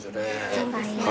そうですね。